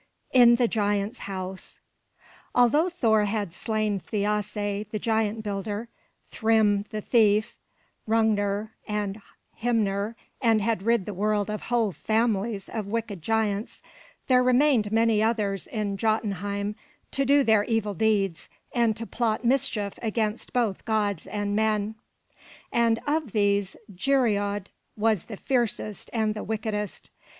IN THE GIANT'S HOUSE Although Thor had slain Thiasse the giant builder, Thrym the thief, Hrungnir, and Hymir, and had rid the world of whole families of wicked giants, there remained many others in Jotunheim to do their evil deeds and to plot mischief against both gods and men; and of these Geirröd was the fiercest and the wickedest.